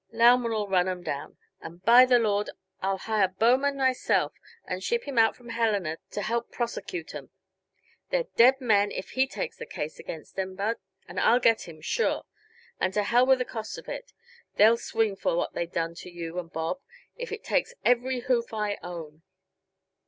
Lauman'll run 'em down and by the Lord! I'll hire Bowman myself and ship him out from Helena to help prosecute 'em. They're dead men if he takes the case against 'em, Bud, and I'll get him, sure and to hell with the cost of it! They'll swing for what they done to you and Bob, if it takes every hoof I own."